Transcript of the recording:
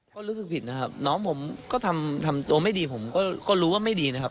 ก็รู้สึกผิดนะครับน้องผมก็ทำตัวไม่ดีผมก็รู้ว่าไม่ดีนะครับ